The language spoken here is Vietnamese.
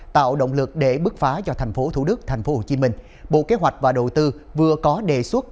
tạo động lực để bức phá cho tp hcm bộ kế hoạch và độ tư vừa có đề xuất